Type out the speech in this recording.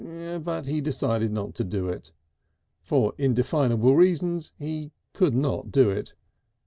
But he decided not to do it. For indefinable reasons he could not do it.